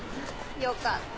よかった。